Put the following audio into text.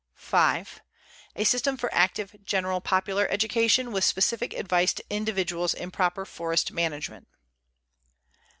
5. A system for active general popular education, with specific advice to individuals in proper forest management.